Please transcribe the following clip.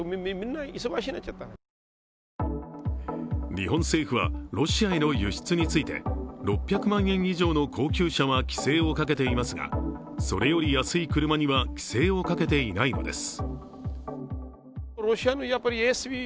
日本政府はロシアへの輸出について、６００万円以上の高級車は規制をかけていますが、それより安い車には規制をかけていないのです。